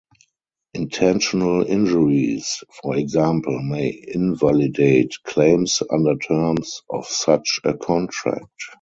Intentional injuries, for example, may invalidate claims under terms of such a contract.